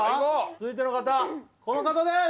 続いての方この方です！